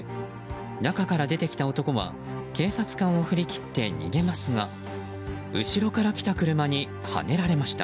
中から出てきた男は警察官を振り切って逃げますが後ろから来た車にはねられました。